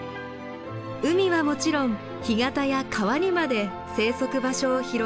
海はもちろん干潟や川にまで生息場所を広げています。